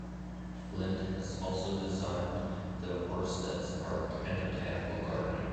Flindt has also designed the Orsteds Park and the botanical garden.